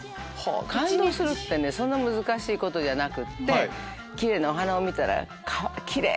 感動するってそんな難しいことじゃなくってキレイなお花を見たらキレイ！